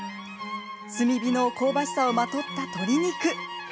炭火の香ばしさをまとった鶏肉。